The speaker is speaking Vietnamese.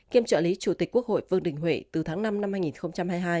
kiêm trợ lý chủ tịch quốc hội vương đình huệ từ tháng năm năm hai nghìn hai mươi hai